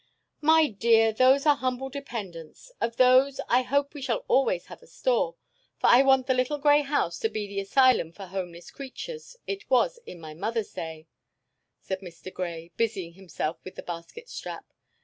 "My dear, those are humble dependents; of those I hope we shall always have a store, for I want the little grey house to be the asylum for homeless creatures it was in my mother's day," said Mr. Grey, busying himself with the basket strap.